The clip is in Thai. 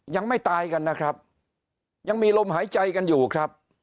ยังไม่ตายกันนะครับยังมีลมหายใจกันอยู่ครับ